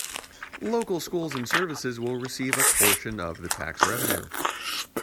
Local schools and services will receive a portion of the tax revenue.